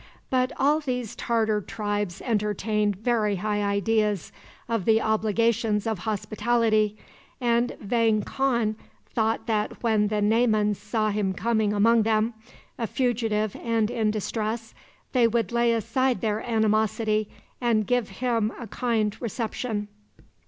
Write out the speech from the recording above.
But all these Tartar tribes entertained very high ideas of the obligations of hospitality, and Vang Khan thought that when the Naymans saw him coming among them, a fugitive and in distress, they would lay aside their animosity, and give him a kind reception.